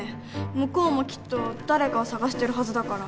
向こうもきっと誰かを探してるはずだから。